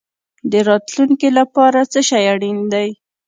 د راتلونکي لپاره څه شی اړین دی؟